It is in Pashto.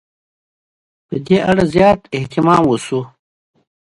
په دې موردونو کې زیات اهتمام وشو.